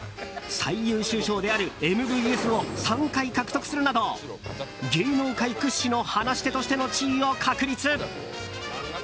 最優秀賞であるＭＶＳを３回獲得するなど芸能界屈指の話し手としての地位を確立。